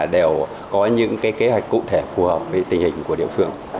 đều có những kế hoạch cụ thể phù hợp với tình hình của địa phương